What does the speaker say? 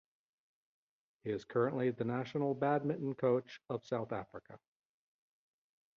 He is currently the National Badminton Coach of South Africa.